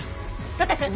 呂太くん。